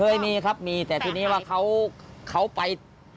เคยมีครับมีแต่ทีนี้ว่าเขาไป